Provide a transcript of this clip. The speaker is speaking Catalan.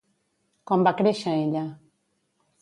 Com va créixer ella?